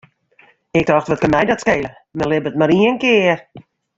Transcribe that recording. Ik tocht, wat kin my dat skele, men libbet mar ien kear.